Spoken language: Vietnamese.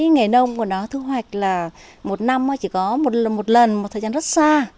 nghề nông của nó thu hoạch là một năm chỉ có một lần một thời gian rất xa